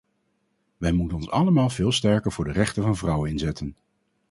Wij moeten ons allemaal veel sterker voor de rechten van vrouwen inzetten.